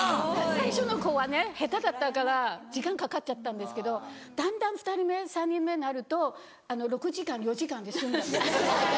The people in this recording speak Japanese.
最初の子はね下手だったから時間かかっちゃったんですけどだんだん２人目３人目になると６時間４時間で済んだんです。